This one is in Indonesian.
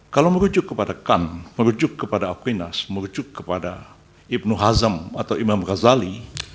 kalau merujuk kepada kami merujuk kepada akuinas merujuk kepada ibnu hazam atau imam ghazali